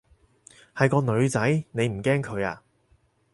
係個女仔，你唔驚佢啊？